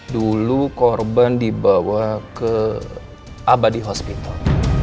dulu korban dibawa ke abadi hospital